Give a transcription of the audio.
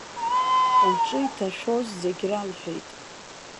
Лҿы иҭашәоз зегьы ралҳәеит.